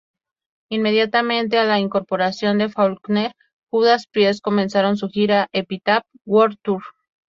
Inmediatamente a la incorporación de Faulkner, Judas Priest comenzaron su gira "Epitaph World Tour".